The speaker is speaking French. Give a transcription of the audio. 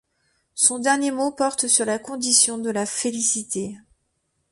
Son dernier mot porte sur la condition de la félicité.